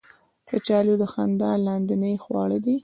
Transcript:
کچالو د خندا لاندې خواړه دي